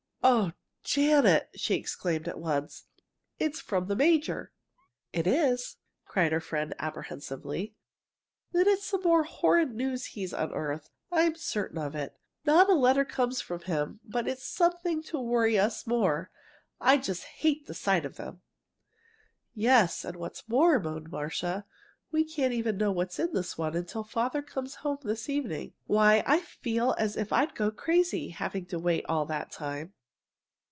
"Oh, Janet!" she exclaimed at once; "it's from the major!" "It is?" cried her friend, apprehensively. "Then it's some more horrid news he's unearthed. I'm certain of it! Not a letter comes from him but it's something to worry us more. I just hate the sight of them!" "Yes; and what's more," moaned Marcia, "we can't even know what's in this one till Father comes home this evening. Why, I feel as if I'd go crazy, having to wait all that time!"